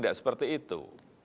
tidak seperti itu